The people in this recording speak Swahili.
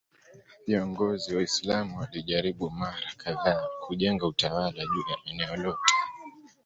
Viongozi Waislamu walijaribu mara kadhaa kujenga utawala juu ya eneo lote.